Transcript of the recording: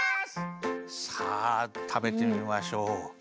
さあたべてみましょう。